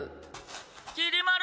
きり丸！